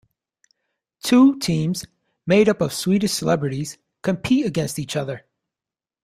Two teams made up of Swedish celebrities compete against each other.